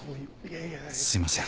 すいません。